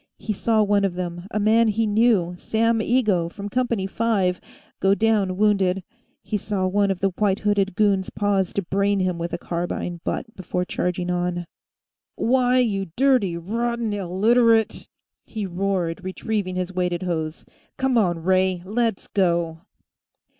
He saw one of them, a man he knew, Sam Igoe, from Company 5, go down wounded; he saw one of the white hooded goons pause to brain him with a carbine butt before charging on. "Why, you dirty rotten Illiterate !" he roared, retrieving his weighted hose. "Come on, Ray; let's go!"